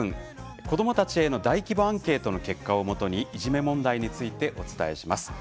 子どもたちへの大規模アンケートの結果をもとにいじめ問題についてお伝えします。